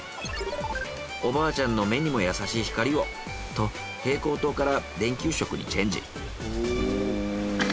おばあちゃんの目にも優しい光をと蛍光灯から電球色にチェンジ。